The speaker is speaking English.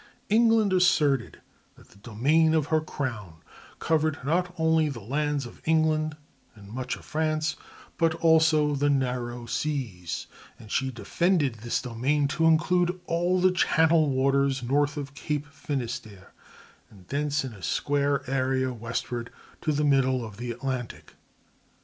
England asserted that the domain of her crown covered not only the lands of England (and much of France), but also "the narrow seas"; and she defined this domain to include all the Channel waters north of Cape Finisterre and thence in a square area westward to the middle of the Atlantic.